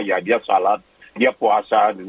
ya dia salat dia puasa